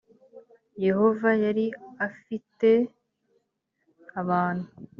yehova yari afitte abantu